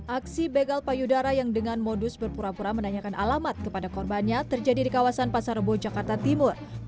aksi begal payudara yang dengan modus berpura pura menanyakan alamat kepada korbannya terjadi di kawasan pasar rebo jakarta timur